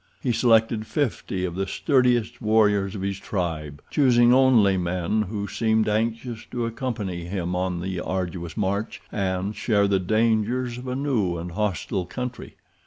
He selected fifty of the sturdiest warriors of his tribe, choosing only men who seemed anxious to accompany him on the arduous march, and share the dangers of a new and hostile country.